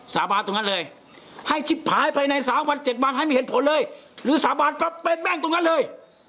สาบานตรงนั้นเลยให้ชิบภายภายใน๓วัน๗วันให้ไม่เห็นผลเลยหรือสาบานปั๊บเป็นแม่งตรงนั้นเลย